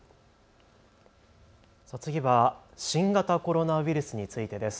次は新型コロナウイルスについてです。